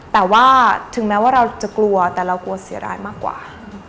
แต่ว่าถึงแม้ว่าเราจะกลัวแต่เรากลัวเสียร้ายมากกว่า